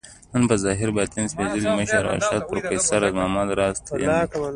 نن په ظاهر ، باطن سپیڅلي مشر، ارواښاد پروفیسر راز محمد راز تلين دی